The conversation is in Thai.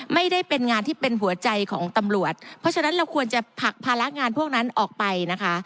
ไม่ได้เป็นงานที่เป็นหัวใจของตำรวจเพราะฉะนั้นเราควรจะผลักภาระงานพวกนั้นออกไปนะคะ